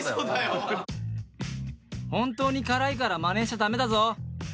本当に辛いからまねしちゃ駄目だぞ